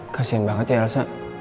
kasian banget ya elsa